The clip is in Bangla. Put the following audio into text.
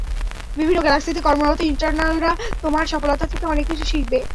বিভিন্ন গ্যালাক্সিতে কর্মরত ইটারনালরা তোমার সফলতা থেকে অনেক কিছু শিখবে।